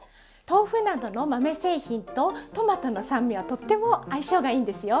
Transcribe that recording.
豆腐などの豆製品とトマトの酸味はとっても相性がいいんですよ。